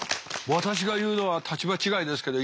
私が言うのは立場違いですけどいい。